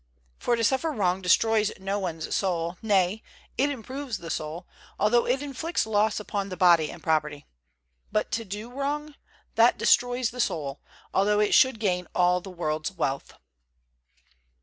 For to suffer wrong destroys no one's soul, nay, it improves the soul, although it inflicts loss upon the body and property; but to do wrong, that destroys the soul, although it should gain all the world's wealth.